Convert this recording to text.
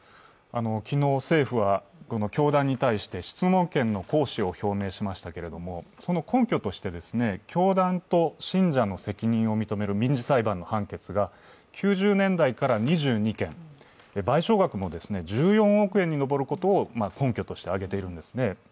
昨日政府は教団に対して質問権の行使を表明しましたがその根拠として、教団と信者の責任を認める民事裁判の判決が９０年代から２２件、賠償額も１４億圓に上ることを根拠として挙げているんですね。